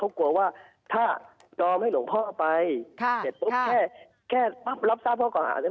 เขากลัวว่าถ้าจอมให้หลวงพ่อไปเสร็จปุ๊บแค่รับทราบพ่อก่อน